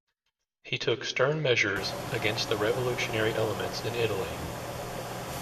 He took stern measures against the revolutionary elements in Italy.